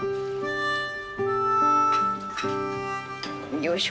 よいしょ。